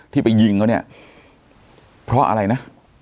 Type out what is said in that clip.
เป็นไปหยิงกันเนี่ยเพราะอะไรนะ